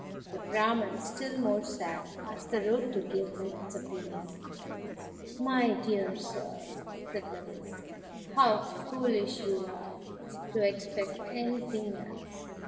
The Brahman, still more sad, asked the road to give him its opinion. "My dear sir," said the road, "how foolish you are to expect anything else!